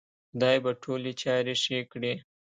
خدای به ټولې چارې ښې کړې